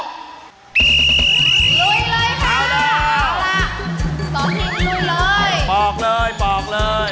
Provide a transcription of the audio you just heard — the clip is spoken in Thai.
ลุยเลยค่ะเอาล่ะสองทีมลุยเลยบอกเลยบอกเลย